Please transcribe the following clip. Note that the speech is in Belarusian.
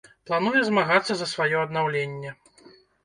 Плануе змагацца за сваё аднаўленне.